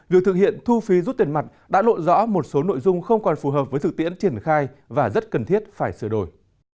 việc thực hiện thu phí rút tiền mặt đã lộ rõ một số nội dung không còn phù hợp với thực tiễn triển khai và rất cần thiết phải sửa đổi